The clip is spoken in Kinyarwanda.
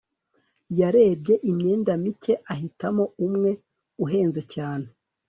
yarebye imyenda mike ahitamo umwe uhenze cyane